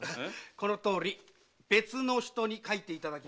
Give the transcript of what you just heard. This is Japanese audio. このとおり別の人に書いていただきました。